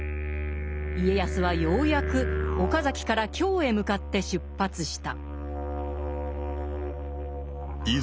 家康はようやく岡崎から京へ向かって出発した。